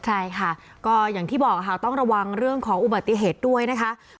ใช่ค่ะก็อย่างที่บอกค่ะต้องระวังเรื่องของอุบัติเหตุด้วยนะคะ